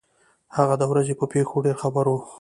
هغه د ورځې په پېښو ډېر خبر وو.